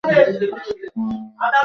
আজাদ ঢাকার প্রথম দৈনিক পত্রিকা ছিল।